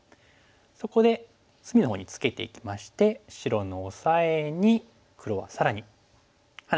そこで隅のほうにツケていきまして白のオサエに黒は更にハネていきました。